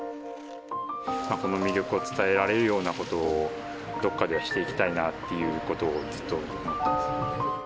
この魅力を伝えられるような事をどこかではしていきたいなっていう事をずっと思ってます。